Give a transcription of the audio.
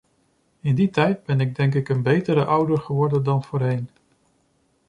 In die tijd ben ik denk ik een betere ouder geworden dan voorheen.